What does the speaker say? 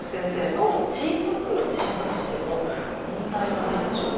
脳は小さく進化しても問題はないんでしょうか？